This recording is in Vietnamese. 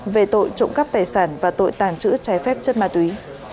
về tội trộm cắp tài sản và tội tàng trữ trái phép chất ma túy